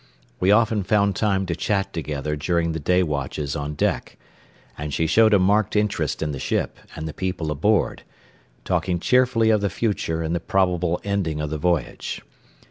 We often found time to chat together during the day watches on deck, and she showed a marked interest in the ship, and the people aboard, talking cheerfully of the future and the probable ending of the voyage.